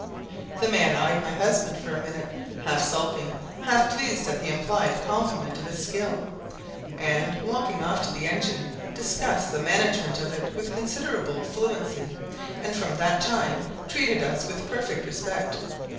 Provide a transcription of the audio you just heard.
The man eyed my husband for a minute, half sulking, half pleased at the implied compliment on his skill, and, walking off to the engine, discussed the management of it with considerable fluency, and from that time treated us with perfect respect.